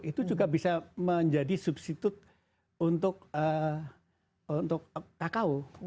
itu juga bisa menjadi substitut untuk kakao